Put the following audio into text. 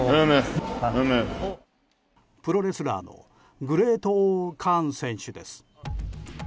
プロレスラーのグレート‐Ｏ‐カーン選手です。